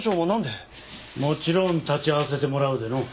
もちろん立ち会わせてもらうでの。